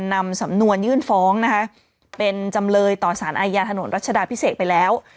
นำสำนวนยื่นฟ้องนะคะเป็นจำเลยต่อสารอาญาถนนรัชดาพิเศษไปแล้ว